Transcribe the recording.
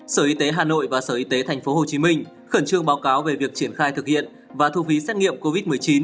sở y tế tp hcm khẩn trương báo cáo việc triển khai thực hiện và thu phí xét nghiệm covid một mươi chín